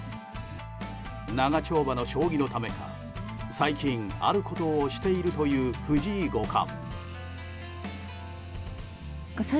長丁場の将棋のためか最近、あることをしているという藤井五冠。